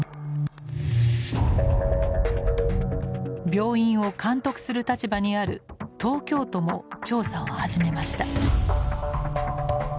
病院を監督する立場にある東京都も調査を始めました。